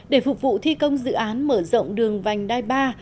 để phục vụ thi công dự án mở rộng đường vành đai ba